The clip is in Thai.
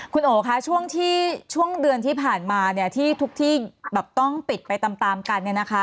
คุณโอ๋คะช่วงที่เดือนที่ผ่านมาที่ทุกที่ต้องปิดไปตามกันนะคะ